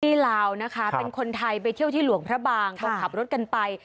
ลาวนะคะเป็นคนไทยไปเที่ยวที่หลวงพระบางก็ขับรถกันไป